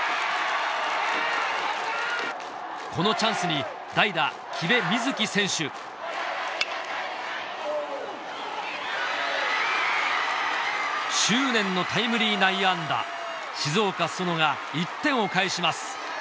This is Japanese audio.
このチャンスに代打・木部海月選手執念のタイムリー内野安打静岡裾野が１点を返します